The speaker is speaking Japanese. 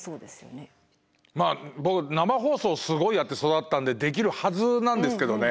まあ僕生放送すごいやって育ったんでできるはずなんですけどね。